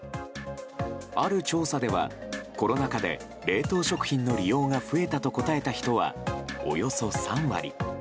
ある調査ではコロナ禍で冷凍食品の利用が増えたと答えた人は、およそ３割。